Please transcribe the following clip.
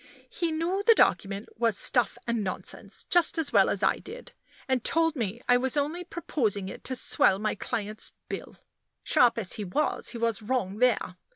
He knew the document was stuff and nonsense, just as well as I did, and told me I was only proposing it to swell my client's bill. Sharp as he was, he was wrong there.